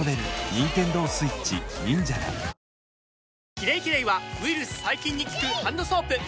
「キレイキレイ」はウイルス・細菌に効くハンドソープ！